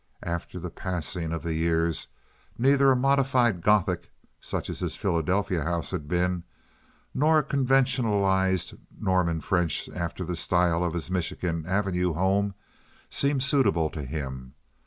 After the passing of the years neither a modified Gothic (such as his Philadelphia house had been), nor a conventionalized Norman French, after the style of his Michigan Avenue home, seemed suitable to him.